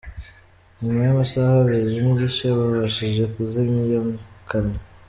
Nyuma y’amasaha abiri n’igice babashije kuzimya iyo kamyo.